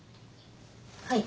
はい。